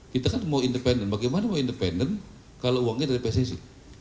kita kan mau independen bagaimana mau independen kalau uangnya dari pssi